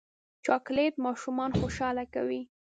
چاکلېټ ماشومان خوشحاله کوي.